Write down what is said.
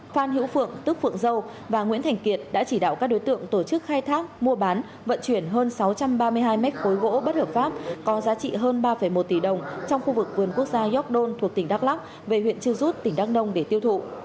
phan hiễu phượng tức phượng dâu và nguyễn thành kiệt đã chỉ đạo các đối tượng tổ chức khai thác mua bán vận chuyển hơn sáu trăm ba mươi hai mét khối gỗ bất hợp pháp có giá trị hơn ba một tỷ đồng trong khu vực vườn quốc gia york don thuộc tỉnh đắk lắc về huyện trư rút tỉnh đắk nông để tiêu thụ